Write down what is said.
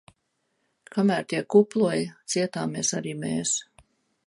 Kamēr tie kuploja, cietāmies arī mēs!